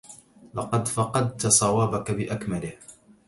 لقد فقدتَ صوابك بأكمله.